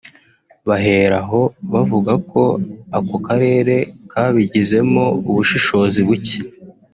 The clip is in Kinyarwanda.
bahera aho bavuga ko ako karere kabigizemo ubushishozi buke